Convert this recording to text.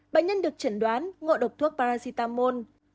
bệnh nhân được chẩn đoán ngộ độc thuốc paracetamol